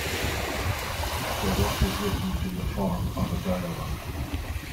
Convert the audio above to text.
The work is written in the form of a dialogue.